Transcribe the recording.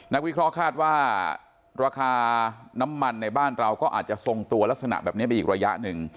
วิเคราะห์คาดว่าราคาน้ำมันในบ้านเราก็อาจจะทรงตัวลักษณะแบบนี้ไปอีกระยะหนึ่ง